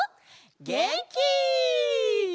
げんき！